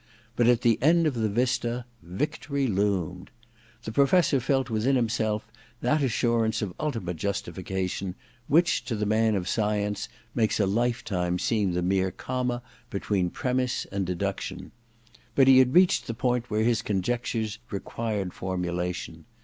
But at the end of the vista victory loomed. The Professor felt within himself that assurance of ultimate justification which, to the man of science, makes a life time seem the mere comma between premiss and deduction. But he had reached the point where his conjectures required formulation.